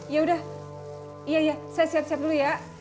yaudah iya iya saya siap siap dulu ya